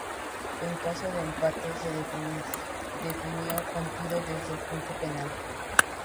En caso de empate, se definió con tiros desde el punto penal.